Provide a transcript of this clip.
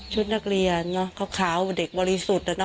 ชุดนักเรียนขาวเด็กบริสุทธิ์